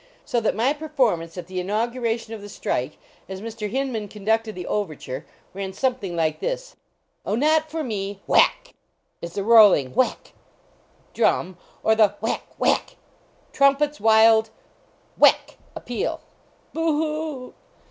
So that my performance, at the inauguration of the strike, as Mr. Hinman con ducted the overture, ran something like this <k Oh, not for me (whack) is the rolling (whack) drum, Or the (whack, whack) trumpet s wild (whack) appeal ! (Boo hoo